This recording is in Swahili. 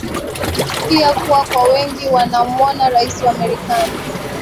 pia kuwa kwa wengi wanamwona Rais wa Marekani